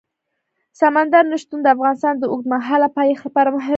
سمندر نه شتون د افغانستان د اوږدمهاله پایښت لپاره مهم رول لري.